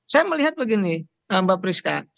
saya melihat begini mbak priska